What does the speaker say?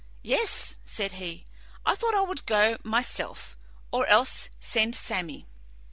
"Yes," said he, "I thought I would go myself, or else send Sammy."